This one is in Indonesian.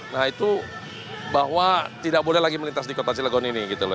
nah itu bahwa tidak boleh lagi melintas di kota cilegon ini gitu loh